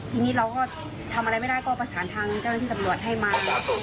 ทีนี้เราก็ทำอะไรไม่ได้ก็ประสานทางเจ้าหน้าที่ตำรวจให้มา